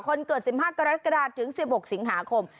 คนเกิด๑๕กรกฎาถึง๑๖สิงหาคม